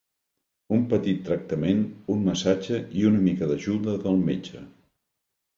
Un petit tractament, un massatge i una mica d'ajuda del metge.